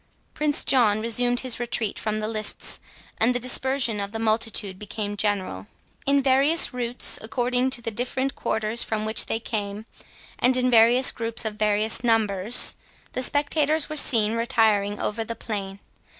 Prince John resumed his retreat from the lists, and the dispersion of the multitude became general. In various routes, according to the different quarters from which they came, and in groups of various numbers, the spectators were seen retiring over the plain.